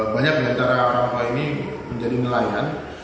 banyak dari orang tua ini menjadi nelayan